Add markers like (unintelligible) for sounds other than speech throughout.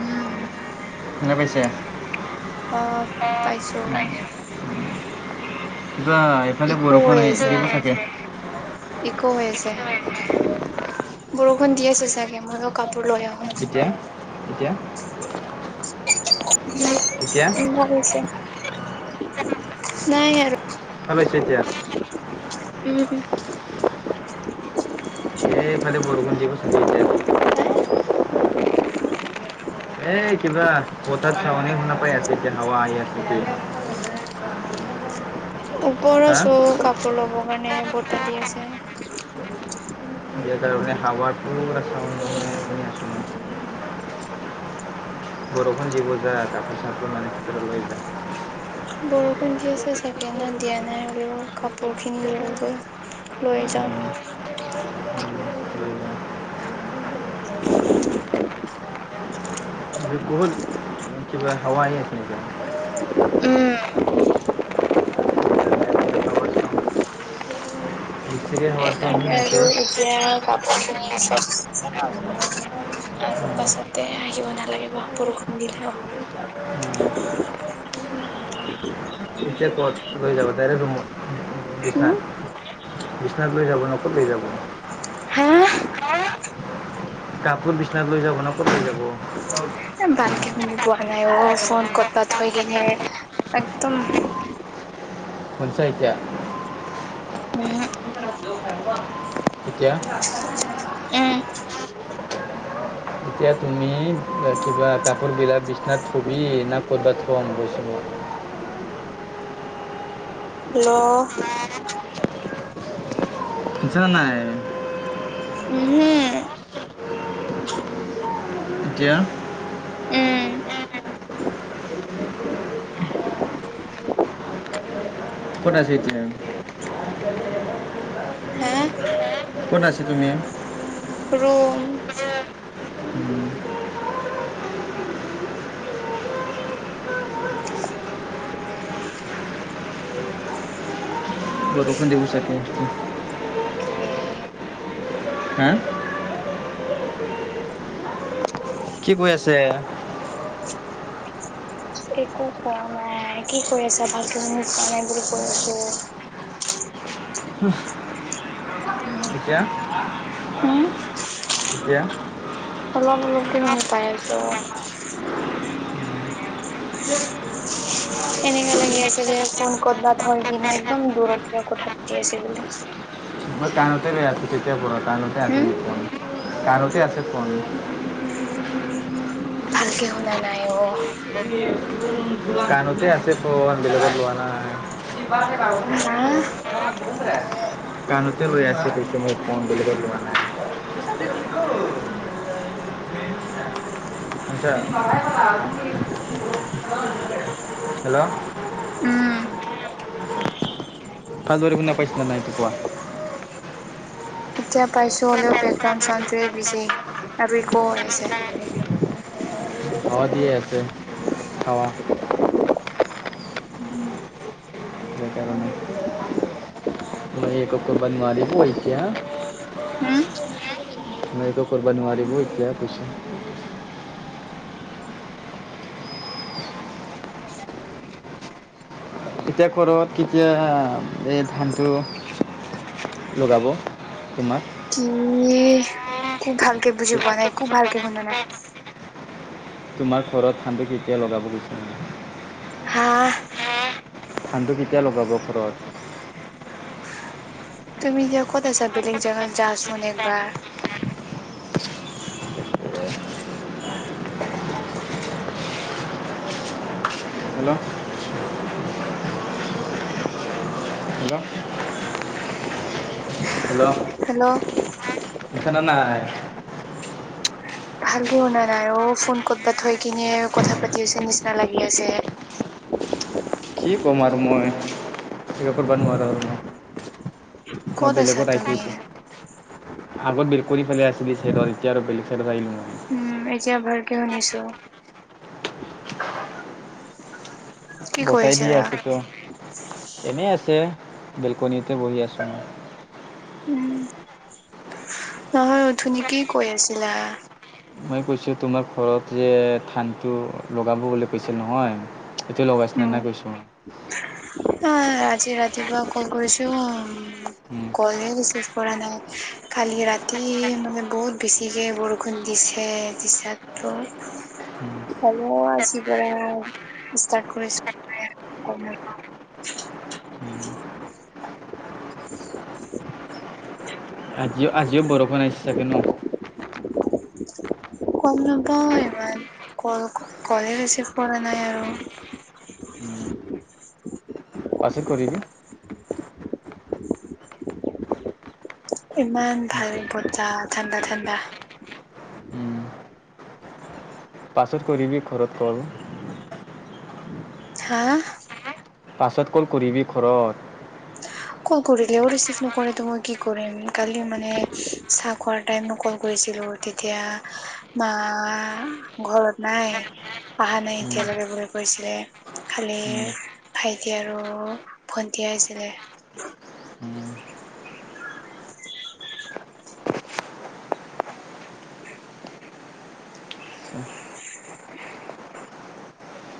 উম, শুনা পাইছে? অ', পাইছো। (unintelligible) কিবা, এফালে ইকো বৰষুণ আহি (unintelligible) ইক' হৈ আছে। বৰষুণ দি আছে চাগে, ময়ো কাপোৰ লৈ আহো। এতিয়া, এতিয়া। এতিয়া (unintelligible) নাই আৰু। শুনা পাইছে এতিয়া? উম। এ-এফালে বৰষুণ দিব চাগে এতিয়া। এ কিবা বতাহ (unintelligible) শুনা পাই আছে এতিয়া হাৱা আহি আছে কি ওপৰ হা আছো কাপোৰ ল'বৰ কাৰণে বতাহ দি আছে। বিয়াৰ কাৰণে (unintelligible) বৰষুণ দিব যা (unintelligible) বৰষুণ দি আছে চাগে না দিয়া নাই হলেও কাপোৰ খিনি লৈ গৈ লৈ উম, যাওঁ। উম, লৈ যা। (inaudible) (unintelligible) কিবা হাৱা আহি আছে নেকি? উম। (unintelligible) ইয়াৰ কাপোৰখিনি (unintelligible) আৰু পাছতে আহিব নালাগিব বৰষুণ দিলেও। (inaudible) এতিয়া ক'ত লৈ যাব ডাইৰেক্ট ৰুমত বিচনাত। বিচনাত লৈ যাব নে কত লৈ যাব? হা? কাপোৰ বিচনাত লৈ যাব না' ক'ত লৈ যাব? এ ভালকে শুনি পোৱা নাই অ', ফোন কপাত থৈ কেনে একদম। শুনচা, এতিয়া? উহো। এতিয়া? উম। এতিয়া তুমি (unintelligible) কাপোৰ বিলাক বিছনা থবি না কদবা (unintelligible) নাপাঁও! হেল্ল। (inaudible) জানাই - উ হু এতিয়া উম ক'ত আছে এতিয়া? হা? ক'ত আছা তুমি? ৰুম। (inaudible) (inaudible) বৰষুন দিব, (unintelligible) (unintelligible) হে? কি বৈ আছে? (inaudible) একো কোৱা নাই। কি কৰি আছা, ভালকে শুনি পোৱা নাই বুলি কৈ আছোঁ। (inaudible) এতিয়া (inaudible) হম তেতিয়া অলপ অলপকে শুনি পাই আছোঁ! এনেকা লাগি আছে যে, কোন ক'তবাত হয় কিনে একদম দূৰত ক-কথা পাতি আছে বুলি। মই কাণতে লৈ আছোঁ তেতিয়াৰ পৰা কাণতে হম আছে ফোন, কাণতে আছে ফোন। ভালকে শুনা নাই অঁ। কাণতে আছে ফোন, বেলেগত লোৱা নাই। হা (inaudible) কাণোতে লৈ আছোঁ ফোনটো মই (unintelligible) (inaudible) শুনিছা, হেল্লো' (unintelligible) উম। (unintelligible) এতিয়া পাইছো হলেও বেকগ্ৰাউড চাউণ্ডটোৱে বেছি আৰু ইকো হৈ আছে। হাৱা দি আছে, হাৱা। উম। (unintelligible) কাৰণে মই (unintelligible) এতিয়া মই এইটো কৰব নোৱাৰিব এতিয়াহে কৈছ- (unintelligible) এতিয়া ঘৰত কেতিয়া এই ধানটো- লগাব তোমাক। একো ভালকে বুজি পোৱা নাই একো ভালকে শুনা নাই তোমাৰ ঘৰত ধান কেতিয়া লগাব গেছে, হা কামটো কেতিয়া লগাব ঘৰত? তুমি এতিয়া ক'ত আছা, বেলেগ জেগাত যাচোন একবাৰ। Hello hello hello. খেদা নাই। ভালকে শুনা নাই অ', ফোন ক'তবাত থৈ কিনে কথা পাতি আছে নিচিনা লাগি আছে। কি কম আৰু মই, একো কৰবা নোৱাৰা হলো। মই ক'ত আছা বেলেগত আহিছো তুমি? এতিয়া। আগত বেল কৰি ফালে আছিলি চাইডত এতিয়া আৰু বেলেগ চাইডত আহিলো মই। উম এতিয়া ভালকে শুনিছো। কি কৈ বচাই দিয়ে আছিলা? আছোতো, এনেই আছে, বেলকনিতে বহি আছো। উম, নহয় অঠনি কি কৈ আছিলা। মই কৈছোঁ তোমাৰ ঘৰত যে ধানটো লগাব বুলি কৈছে নহয়। এইটো লগাইছিলা না কৈছোঁ। অ', আজি ৰাতিপুৱা কল কৰিছো মই। উম। কলে ৰিছিভ কৰা নাই, খালি ৰাতি মানে বহুত বেছিকে বৰষুণ দিছে। (unintelligible) টো, হলো আজি পৰা ষ্টাৰ্ট কৰিছো (unintelligible) (inaudible) আজিও, আজিও বৰষুণ আহিছে চাগে ন। (inaudible) গম নাপাওঁ ইমান, কল কলে ৰিচিভ কৰা নাই আৰু। (inaudible) পাছত কৰিবি (inaudible) ইমান ভাল বতাহ ঠাণ্ডা, ঠাণ্ডা। উম পাছত কৰিবি ঘৰত কল। হা? পাছত কল কৰিবি ঘৰত। (inaudible) কল কৰিলেও ৰিচিভ নকৰে ত' মই কি কৰিম, কালি মানে চাহ খোৱাৰ টাইমতো কল কৰিছিলোঁ তেতিয়া আহ, ঘৰত নাই। অহা নাই উম এতিয়ালকে বুলি কৈছিলে, খালি উম উম। ভাইটি আৰু ভণ্টি আহিছিলে। (inaudible) (inaudible) (inaudible)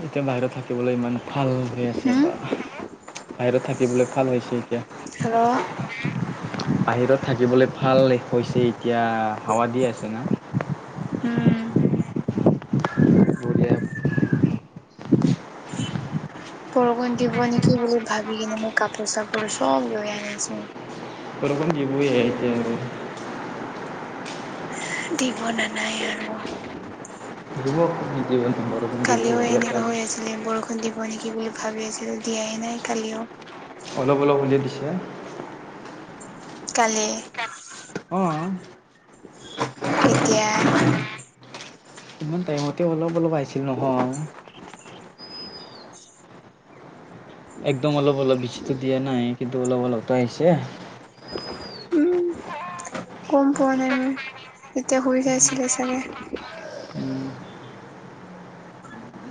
এতিয়া বাহিৰত থাকিবলৈ ইমান ভাল হৈ আছে, হম বা বাহিৰত থাকিবলৈ ভাল হৈছে এতিয়া। হেল্ল' বাহিৰত থাকিবলে ভাল হৈছে এতিয়া, হাৱা দিয়ে আছে ন। উম। বঢ়িয়া বৰষুণ দিব নেকি বুলি ভাবি কিনে মই কাপোৰ চাপোৰ চব লৈ আনিছো। বৰষূণ দি (unintelligible) দিব নে নাই আৰু। দিব নিদিব বৰষুণ দিব কালিও এনেকা হৈ আছিলে বৰষুণ দিব নেকি বুলি ভাবি আছিলো দিয়াই নাই কালিও। অলপ অলপ হ'লে দিছে। কালি, অঁ কেতিয়া? ইমান টাইমতে অলপ অলপ আহিছিল নহয়। (inaudible) একদম অলপ অলপ বেছি টো দিয়া নাই কিন্তু অলপ অলপ টো আহিছে। উম। গম পোৱা নাই মই এতিয়া শুই গাইছিলে চাগে। উম,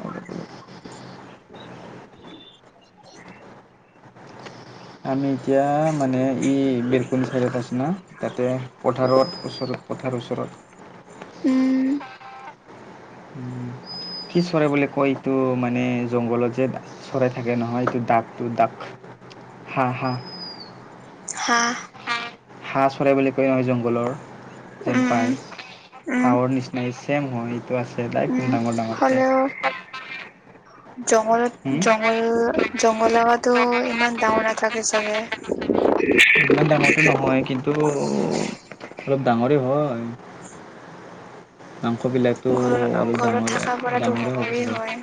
অলপ অলপ। (unintelligible) আমি এতিয়া মানে ই বেলকনি চাইডত আছো না? তাতে পথাৰত ওচৰত পথাৰৰ ওচৰত। উম। উম। কি চৰে বুলি কয় এইটো, মানে জংঘলত যে চৰাই থাকে নহয় এইটো দাগ দাগ হাঁ হাঁ। হাঁহ। হাঁহ চৰে বুলি কয় অহ জংঘলৰ। যেন উম পায় উম হাৱৰ নিচিনাই ছেইম হয় এইটো আছে উম একদ ডাঙৰ ডাঙৰকে। হ'লেও জংঘলত হুম জংঘল জংঘল জেগাটো ইমান ডাঙৰ নাথাকে চাগে। ইমান ডাঙৰটো নহয় কিন্তু অলপ ডাঙৰেই হয়। (unintelligible) মাংসবিলাক ঘ ঘৰত থকা পৰাতো হ'ব সৰুৱে চাগে হয়।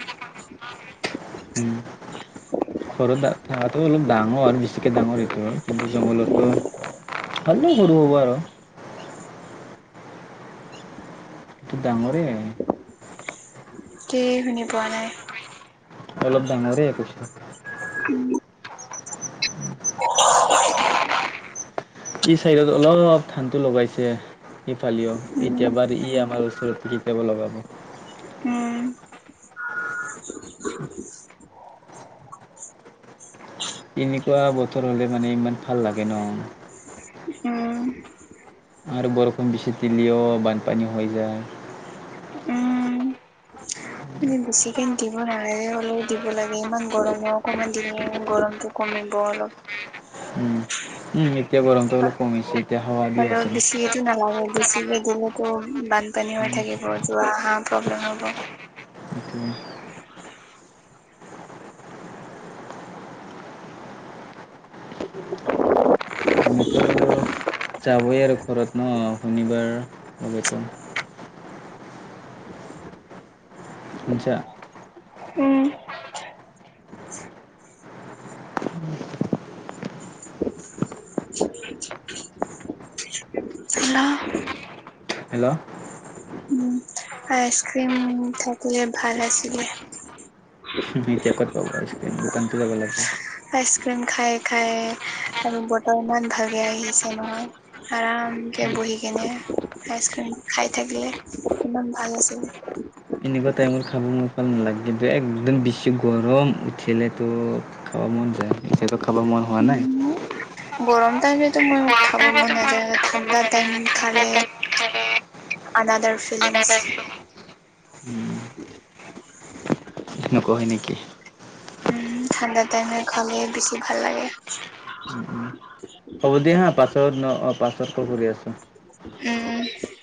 উম (unintelligible) ঘৰত থকাটো অলপ ডাঙৰ আৰু বেছিকে ডাঙৰ এইটো কিন্তু জংঘলতো ভালে সৰু হ'ব আৰু। টো ডাঙৰেই। কি শুনি পোৱা নাই। অলপ ডাঙৰে (inaudible) (unintelligible) ই চাইদত অলপ অলপ ধানটো লগাইছে ইিফালেও উম এতিয়া বাৰ ই আমাৰ তোৰ শিকাব লগাব। উম। এনেকুৱা বতৰ হ'লে মানে ইমান ভাল লাগে ন। অহ। আৰু বৰষুণ বেছি দিলেও বানপানী হৈ যায়। উম। এনে বেছিকে দিব নালাগে অলপ দিব লাগে, ইমান গৰম হ অকমান দিলেহে গৰমটো কমিব অলপ। উম, উম, এতিয়া গৰমটো অলপ কমিছে এতিয়া হাৱা দি আছে। সেইটো নালাগে, বেছিকে দিলেটো বানপানী হৈ থাকিব, যোৱা অহা প্ৰব্লেম হ'ব। (inaudible) (inaudible) এনেকে ৰ যাবই আৰু ঘৰত ন শনিবাৰ হ'বটো। শুনছা? উম। (unintelligible) লাহ হেল্ল'। উম আইচক্ৰিম থাকিলে ভাল আছিলে। বি টেক ত পাব আইচক্ৰীম দুকানত যাব লাগিব। আইচ ক্ৰীম খাই খাই আৰু ব্তৰ ইমান ভালে আহিছে নহয়। আৰামকে বহি কেনে আইচক্ৰীম খাই থাকিলে ইমান ভাল আছিল। এনেকুৱা টাইমত খাব মই ভাল নালাগে কিন্তু একদম বেছি গৰম উঠিলেতো। খাব মন যায় বিশেষকৈ খাব মন হোৱা নাই। গৰম টাইমেতো মই গৰম খাব টাইমত মন ইমান নাযায় খাব মন ঠাণ্ডা টাইম নাযায় ঠাণ্ডা খালে। টাইমত খালে আনাদাৰ ফিলিংছ। তেনেকুৱা হয় নেকি? উম ঠাণ্ডা টাইমে খালেই বেছি ভাল লাগে। উম, উম। হ'ব দিয়া হা, পাছত ন অহ', পাছত কল কৰি আছো। উম।